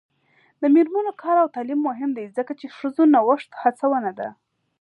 د میرمنو کار او تعلیم مهم دی ځکه چې ښځو نوښت هڅونه ده.